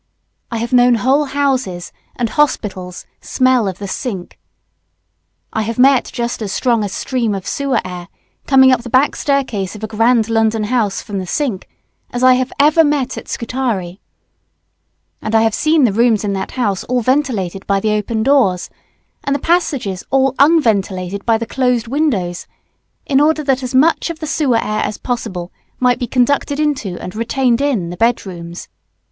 I have known whole houses and hospitals smell of the sink. I have met just as strong a stream of sewer air coming up the back staircase of a grand London house from the sink, as I have ever met at Scutari; and I have seen the rooms in that house all ventilated by the open doors, and the passages all _un_ventilated by the closed windows, in order that as much of the sewer air as possible might be conducted into and retained in the bed rooms.